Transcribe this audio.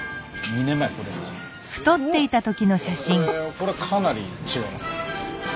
これかなり違いますね。